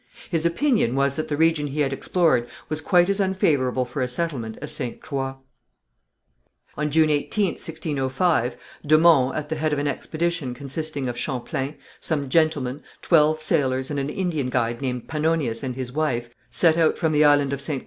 His opinion was that the region he had explored was quite as unfavourable for a settlement as Ste. Croix. On June 18th, 1605, de Monts, at the head of an expedition consisting of Champlain, some gentlemen, twelve sailors and an Indian guide named Panonias and his wife, set out from the island of Ste.